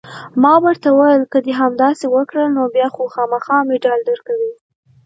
ما ورته وویل: که دې همداسې وکړل، نو بیا خو خامخا مډال درکوي.